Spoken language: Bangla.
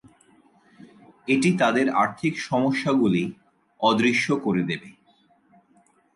এটি তাদের আর্থিক সমস্যাগুলি অদৃশ্য করে দেবে।